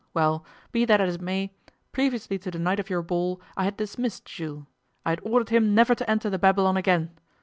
Well, be that as it may, previously to the night of your ball, I had dismissed Jules. I had ordered him never to enter the Babylon again.